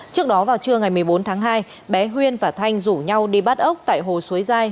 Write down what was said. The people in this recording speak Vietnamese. trước đó vào trưa ngày một mươi bốn tháng hai bé huyên và thanh rủ nhau đi bắt ốc tại hồ suối giai